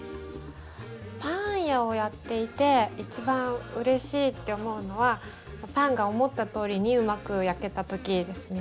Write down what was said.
パン屋をやっていていちばんうれしいって思うのはパンが思ったとおりにうまく焼けた時ですよね。